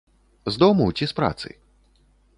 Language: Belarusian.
З дому ці з працы?